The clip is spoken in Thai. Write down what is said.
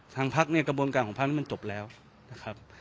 ทางพรรคเนี้ยกระบวนการของพรรคมันจบแล้วนะครับ